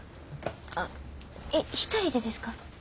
あ一人でですか？